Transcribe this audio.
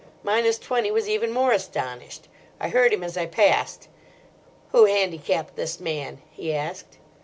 Minus Twenty was even more astonished. I heard him as I passed: "Who handicapped this man?" he asked.